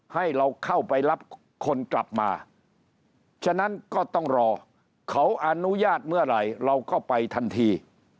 ให้เราเข้าไปรับคนกลับมาฉะนั้นก็ต้องรอเขาอนุญาตเมื่อไหร่เราก็ไปทันที